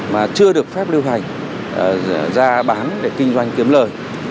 mà chưa được phép lưu hành ra bán để kinh doanh kiếm lời